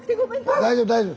大丈夫大丈夫。